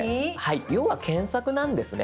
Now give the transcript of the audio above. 要は検索なんですね。